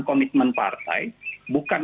komitmen partai bukan